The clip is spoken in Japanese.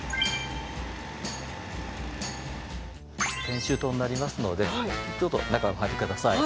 研修棟になりますのでちょっと中へお入り下さい。